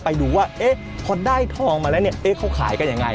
ไปดูว่าเอ๊ะพอได้ทองมาแล้วเนี่ยเอ๊ะเขาขายกันยังไง